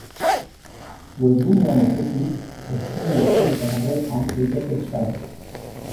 Webgunean ez ezik, ertzain-etxeetan ere egin daiteke eskaera.